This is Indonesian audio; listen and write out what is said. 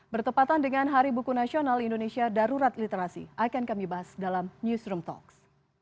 bertepatan dengan hari buku nasional indonesia darurat literasi akan kami bahas dalam newsroom talks